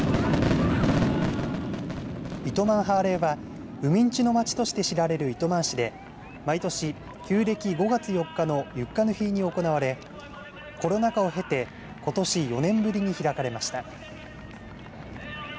糸満ハーレーは海人の街として知られる糸満市で毎年旧暦５月４日のユッカヌヒーに行われコロナ禍を経てことし４年ぶりに開かれました。